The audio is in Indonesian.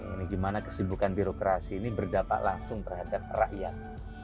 ini gimana kesibukan birokrasi ini berdampak langsung terhadap rakyat